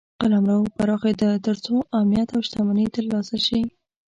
قلمرو پراخېده تر څو امنیت او شتمني ترلاسه شي.